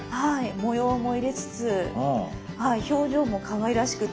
模様も入れつつ表情もかわいらしくて。